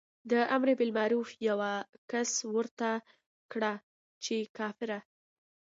د امر بالمعروف یوه کس ورته کړه چې کافره.